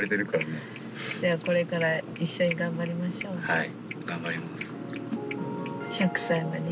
はい。